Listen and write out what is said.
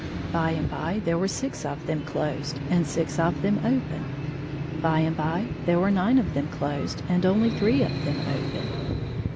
By and. by there were six of them closed and six of them open. By and by there were nine of them closed and only three of them open.